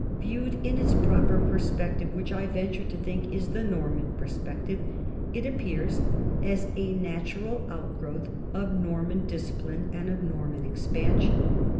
Viewed in its proper per spective, which I venture to think is the Norman per spective, it appears as a natural outgrowth of Norman discipline and of Norman expansion.